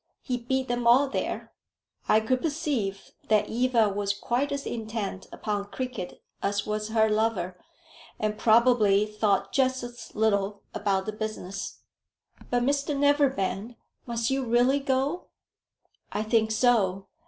He beat them all there." I could perceive that Eva was quite as intent upon cricket as was her lover, and probably thought just as little about the business. "But, Mr Neverbend, must you really go?" "I think so.